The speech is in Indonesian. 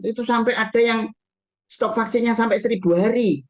itu sampai ada yang stok vaksinnya sampai seribu hari